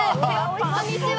こんにちは。